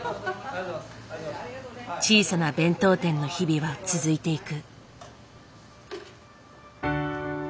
小さな弁当店の日々は続いていく。